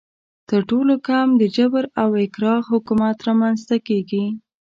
تر ټولو کم د جبر او اکراه حکومت رامنځته کیږي.